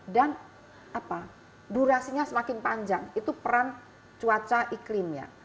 durasinya semakin panjang itu peran cuaca iklimnya